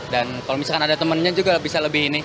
dan kalau misalkan ada temennya juga bisa lebih ini